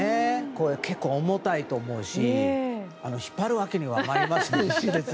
結構重たいと思うし引っ張るわけにはまいりませんし。